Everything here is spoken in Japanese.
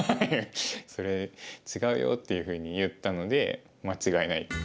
「それ違うよ」っていうふうに言ったので間違いない。